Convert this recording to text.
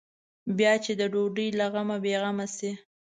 بیا چې د ډوډۍ له غمه بې غمه شي.